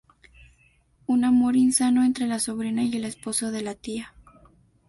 Un amor insano entre la sobrina y el esposo de la tía.